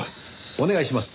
お願いします。